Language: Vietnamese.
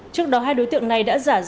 trước đó hai đối tượng này đã giả ra